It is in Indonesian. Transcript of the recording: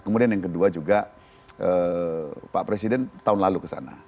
kemudian yang kedua juga pak presiden tahun lalu kesana